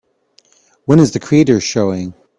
When is The Creators showing